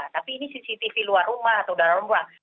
tapi ini cctv luar rumah atau darah rumah